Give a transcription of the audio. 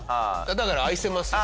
だから愛せますよ。